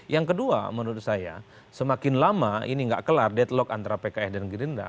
yang kedua menurut saya semakin lama ini nggak kelar deadlock antara pks dan gerindra